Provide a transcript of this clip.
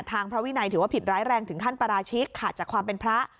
พระวินัยถือว่าผิดร้ายแรงถึงขั้นปราชิกขาดจากความเป็นพระ